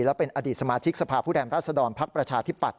และเป็นอดีตสมาชิกสภาพผู้แทนรัศดรภักดิ์ประชาธิปัตย